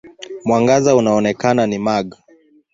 Mwangaza unaoonekana ni mag.